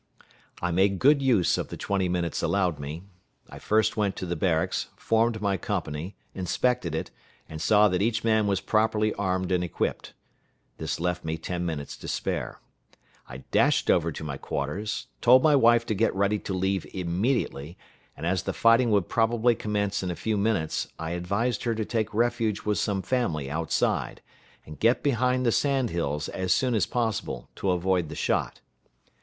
I made good use of the twenty minutes allowed me. I first went to the barracks, formed my company, inspected it, and saw that each man was properly armed and equipped. This left me ten minutes to spare. I dashed over to my quarters; told my wife to get ready to leave immediately, and as the fighting would probably commence in a few minutes, I advised her to take refuge with some family outside, and get behind the sand hills as soon as possible, to avoid the shot.